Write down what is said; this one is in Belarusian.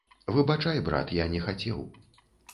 Выбачай, брат, я не хацеў.